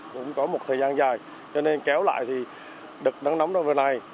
cũng có một thời gian dài cho nên kéo lại thì đợt nắng nóng đó vừa này